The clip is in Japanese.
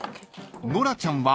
［ノラちゃんは］